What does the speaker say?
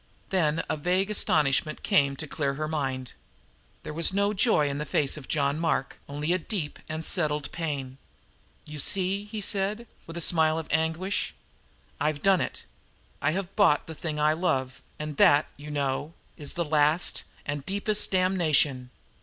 Then a vague astonishment came to clear her mind. There was no joy in the face of John Mark, only a deep and settled pain. "You see," he said, with a smile of anguish, "I have done it. I have bought the thing I love, and that, you know, is the last and deepest damnation.